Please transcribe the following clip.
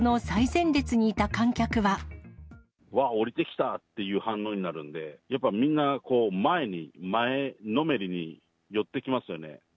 わっ、降りてきたっていう反応になるんで、やっぱみんなこう、前に、前のめりに寄ってきますよね。